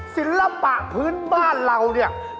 ศิลปะพื้นบ้านเราเนี่ย